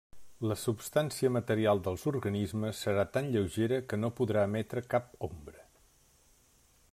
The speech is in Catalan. La substància material dels organismes serà tan lleugera que no podrà emetre cap ombra.